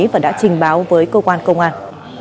và đã trình báo với cơ quan công an